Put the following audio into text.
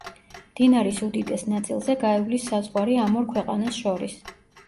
მდინარის უდიდეს ნაწილზე გაივლის საზღვარი ამ ორ ქვეყანას შორის.